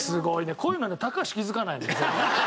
こういうのね高橋気づかないのよ。